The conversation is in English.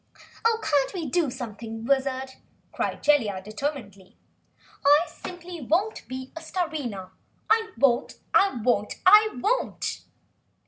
"Oh, can't we do something Wizard?" cried Jellia determinedly. "I simply won't be Starina! I won't! I WON'T!"